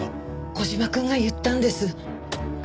小島くんが言ったんです。